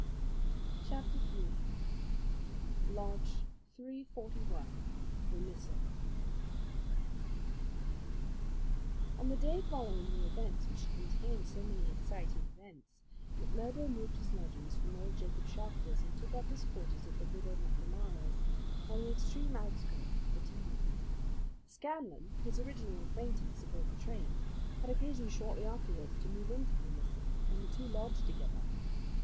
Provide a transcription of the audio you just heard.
Chapter 3 Lodge 341, Vermissa On the day following the evening which had contained so many exciting events, McMurdo moved his lodgings from old Jacob Shafter's and took up his quarters at the Widow MacNamara's on the extreme outskirts of the town. Scanlan, his original acquaintance aboard the train, had occasion shortly afterwards to move into Vermissa, and the two lodged together.